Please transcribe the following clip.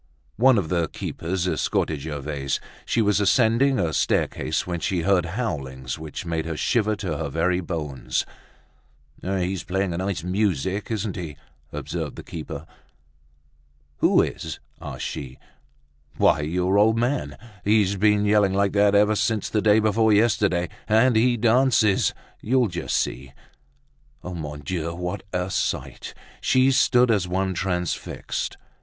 One of the keepers escorted Gervaise. She was ascending a staircase, when she heard howlings which made her shiver to her very bones. "He's playing a nice music, isn't he?" observed the keeper. "Who is?" asked she. "Why, your old man! He's been yelling like that ever since the day before yesterday; and he dances, you'll just see." Mon Dieu! what a sight! She stood as one transfixed.